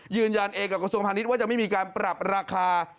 ยืนยันเองกับกระทรวงพาณิชย์ว่าจะไม่มีการปรับราคา